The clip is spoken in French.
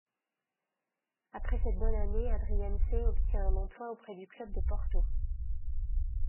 Après cette bonne année, Adriaanse obtient un emploi auprès du club de Porto.